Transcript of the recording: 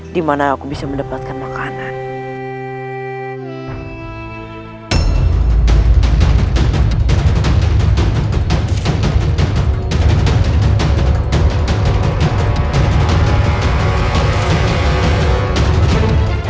dimana aku bisa mendapatkan makanan